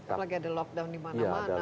apalagi ada lockdown dimana mana